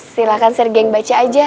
silahkan sergei baca aja